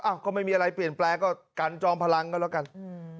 ก็ไม่มีอะไรเปลี่ยนแปลงก็กันจอมพลังก็แล้วกัน